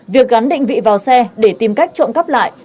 việc gắn định vị vào xe để tìm cách trộm cắp lại